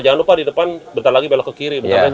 jangan lupa di depan bentar lagi belok ke kiri